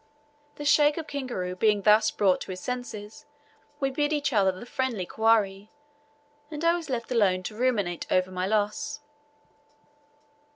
The Sheikh of Kingaru being thus brought to his senses, we bid each other the friendly "Kwaheri," and I was left alone to ruminate over my loss.